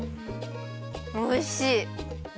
おいしい！